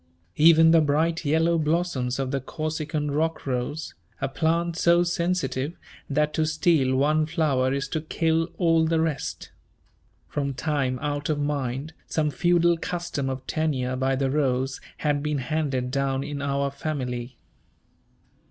Even the bright yellow blossoms of the Corsican rock rose, a plant so sensitive that to steal one flower is to kill all the rest. From time out of mind, some feudal custom of tenure by the rose had been handed down in our family.